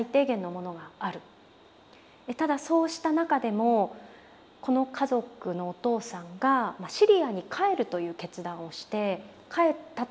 ただそうした中でもこの家族のお父さんがシリアに帰るという決断をして帰ったということがあったんです。